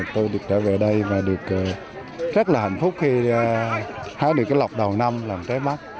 tôi được trở về đây và được rất là hạnh phúc khi hái được cái lọc đầu năm làm cái mắt